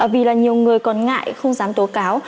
vì là nhiều người còn ngại không dám tố cáo